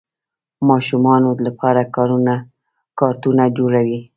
د ماشومانو لپاره کارتونونه جوړوي.